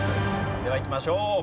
ではいきましょう。